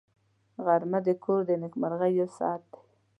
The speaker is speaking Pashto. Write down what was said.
غرمه د کور د نېکمرغۍ یو ساعت دی